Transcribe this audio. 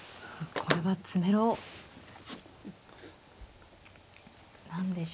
これは詰めろなんでしょうか。